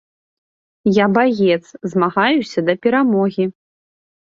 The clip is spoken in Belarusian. Я баец, змагаюся да перамогі.